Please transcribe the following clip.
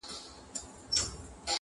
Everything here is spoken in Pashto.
له محشره نه دی کم هغه ساعت چي،